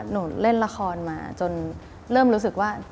เล่นละครมาจนเริ่มรู้สึกว่า